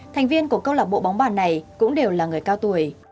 thành viên của câu lạc bộ bóng bàn này cũng đều là người cao tuổi